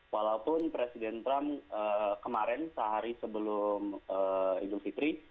walaupun presiden trump kemarin sehari sebelum idul fitri